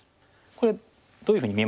これどういうふうに見えます？